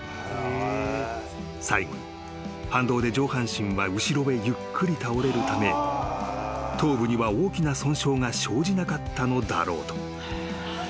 ［最後に反動で上半身は後ろへゆっくり倒れるため頭部には大きな損傷が生じなかったのだろうと］